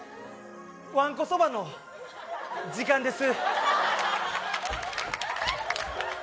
わんこそばの時間です